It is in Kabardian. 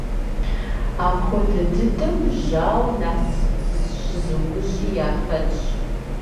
Апхуэдэ дыдэу, жьауэм нэхъ зыщызыужьи яхэтщ.